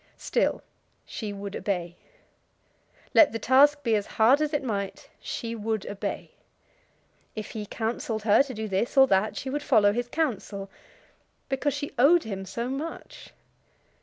Still she would obey. Let the task be as hard as it might, she would obey. If he counselled her to do this or that, she would follow his counsel, because she owed him so much.